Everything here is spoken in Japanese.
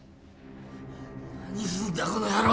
何すんだこの野郎！